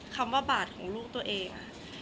คำว่าบาดของลูกตัวเอง